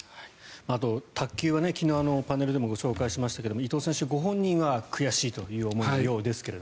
あと、卓球は昨日パネルでもご紹介しましたが伊藤選手ご本人は悔しいという思いのようですが。